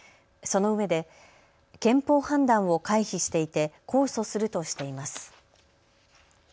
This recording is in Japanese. そのうえで憲法判断を回避していて控訴するとしています。